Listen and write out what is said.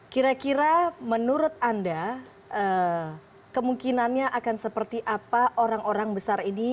kira kira menurut anda kemungkinannya akan seperti apa orang orang besar ini